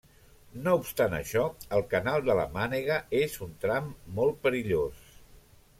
No obstant això, el Canal de la Mànega és un tram molt perillós.